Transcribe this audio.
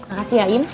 makasih ya in